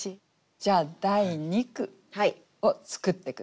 じゃあ第二句を作って下さい。